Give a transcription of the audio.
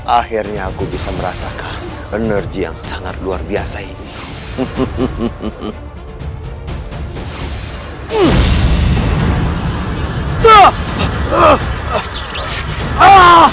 akhirnya aku bisa merasakan energi yang sangat luar biasa ini